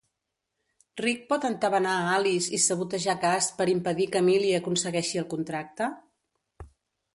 Rick pot entabanar a Alice i sabotejar Kaz per impedir que Millie aconsegueixi el contracte?